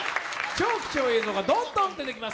超貴重映像がどんどん出てきます。